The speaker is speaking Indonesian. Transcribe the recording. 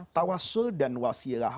tawassul dan wasilah